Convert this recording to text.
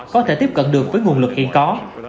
có thể tiếp cận được với nguồn lực hiện có